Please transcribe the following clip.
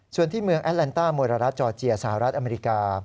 ส่วนที่เมืองแอดแลนต้าโมรารัสจอร์เจียสหรัฐอเมริกา